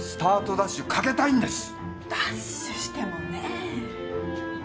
ダッシュしてもねえ